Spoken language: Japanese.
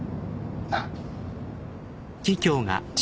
なっ。